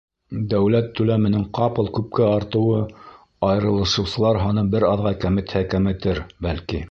Дәүләт түләменең ҡапыл күпкә артыуы айырылышыусылар һанын бер аҙға кәметһә кәметер, бәлки.